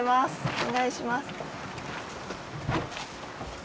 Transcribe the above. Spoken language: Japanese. お願いします。